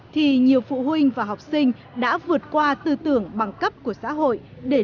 thì nhiều phụ huynh và học sinh đã vượt qua tư tưởng bằng cấp của xã hội